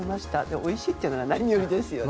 おいしいというのが何よりですよね。